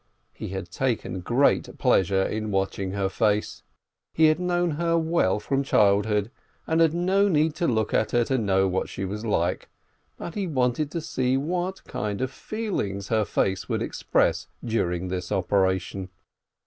He had taken great pleasure in watching her face. He had known her well from childhood, and had no need to look at her to know what she was like, but he wanted to see what kind of feelings her face would express during this occupation.